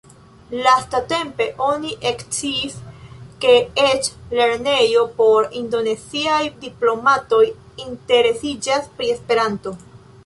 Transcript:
Lastatempe oni eksciis ke eĉ lernejo por indoneziaj diplomatoj interesiĝas pri Esperanto.